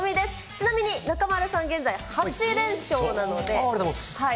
ちなみに中丸さん、現在８連勝なので。